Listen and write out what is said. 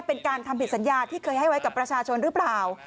เป็นการทำผิดสัญญาที่เคยให้ไว้กับประชาชนหรือเปล่า